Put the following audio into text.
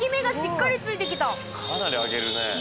かなり揚げるね。